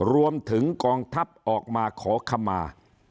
รวมถึงกองทัพออกมาขอขมา